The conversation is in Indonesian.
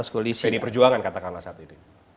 penyperjuangan katakanlah saat ini